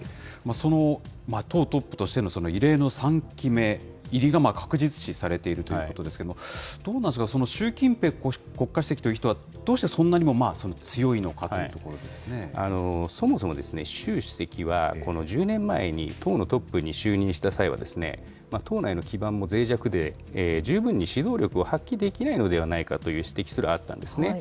その党トップとしての異例の３期目入りが確実視されているということですけれども、どうなんですか、習近平国家主席という人は、どうしてそんなにも強いのかというとそもそも、習主席はこの１０年前に、党のトップに就任した際は、党内の基盤もぜい弱で、十分に指導力を発揮できないのではないかという指摘すらあったんですね。